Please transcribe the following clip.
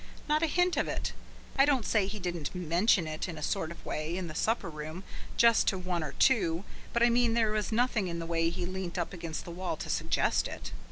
Not a hint of it. I don't say he didn't mention it, in a sort of way, in the supper room, just to one or two, but I mean there was nothing in the way he leant up against the wall to suggest it.